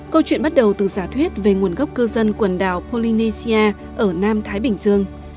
câu chuyện bắt đầu từ giả thuyết về nguồn gốc cư dân quần đảo polynesia ở nam thái bình dương